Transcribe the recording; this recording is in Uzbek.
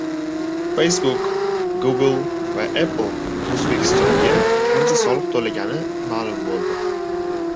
Facebook, Google va Apple O‘zbekistonga qancha soliq to‘lagani ma’lum bo‘ldi